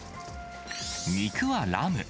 肉はラム。